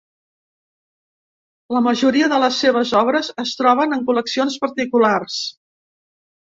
La majoria de les seves obres es troben en col·leccions particulars.